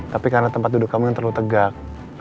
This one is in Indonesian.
tapi karena tempat duduk kamu yang terlalu tegak